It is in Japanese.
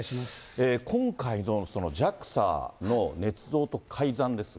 今回のＪＡＸＡのねつ造と改ざんですが。